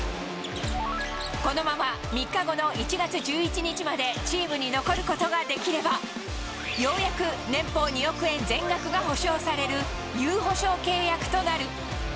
このまま３日後の１月１１日までチームに残ることができれば、ようやく年俸２億円全額が保証される、有保証契約となる。